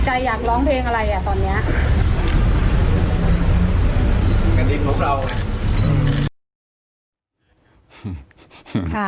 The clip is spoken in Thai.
ใจอยากร้องเพลงอะไรคะ